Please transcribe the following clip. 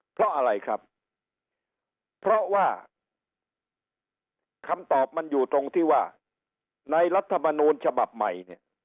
เพราะอะไรครับเพราะว่าคำตอบมันอยู่ตรงที่ว่าในรัฐมนูลฉบับใหม่เนี่ย